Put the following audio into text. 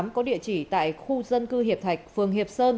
có địa chỉ tại khu dân cư hiệp thạch phường hiệp sơn